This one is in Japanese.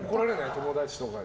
友達とかに。